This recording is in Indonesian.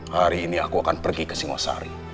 hari ini aku akan pergi ke singosari